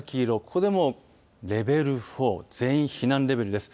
ここでもレベル４全員避難レベルです。